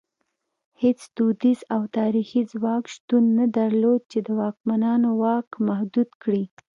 هېڅ دودیز او تاریخي ځواک شتون نه درلود چې د واکمنانو واک محدود کړي.